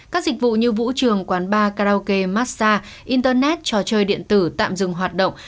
các dịch vụ như vũ trường quán bar karaoke massage internet trò chơi điện tử tạm dừng hoạt động